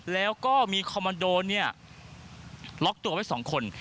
แล้วก็มีคอมมันโดนล็อกตัวไว้สองคน